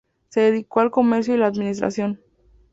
Se dedicó al comercio y la administración.